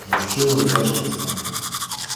Мужчына ў цяжкім стане.